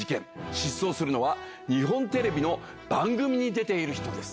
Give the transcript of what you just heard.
失踪するのは日本テレビの番組に出ている人です。